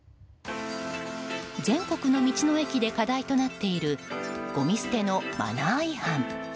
全国の道の駅で課題となっているごみ捨てのマナー違反。